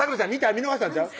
見逃したんちゃう？